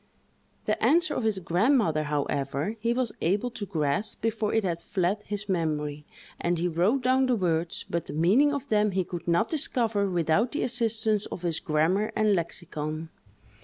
The answer of his grandmother, however, he was able to grasp before it had fled his memory, and he wrote down the words; but the meaning of them he could not discover without the assistance of his grammar and lexicon.